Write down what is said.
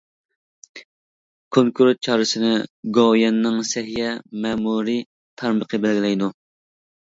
كونكرېت چارىسىنى گوۋۇيۈەننىڭ سەھىيە مەمۇرىي تارمىقى بەلگىلەيدۇ.